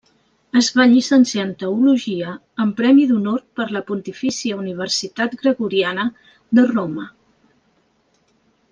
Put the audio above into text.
Es va llicenciar en Teologia, amb premi d'honor per la Pontifícia Universitat Gregoriana de Roma.